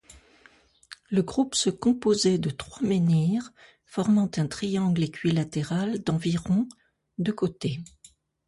Le groupe se composait de trois menhirs formant un triangle équilatéral d'environ de côté.